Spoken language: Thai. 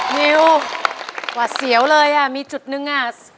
นิวหวัดเสียวเลยอ่ะมีจุดนึงอ่ะ